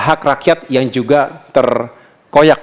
hak rakyat yang juga terkoyak